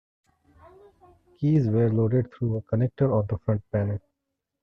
Keys were loaded through a connector on the front panel.